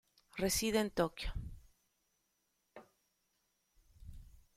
Reside en Tokio.